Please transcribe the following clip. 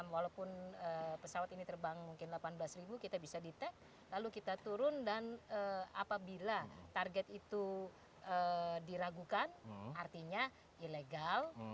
walaupun pesawat ini terbang mungkin delapan belas ribu kita bisa detek lalu kita turun dan apabila target itu diragukan artinya ilegal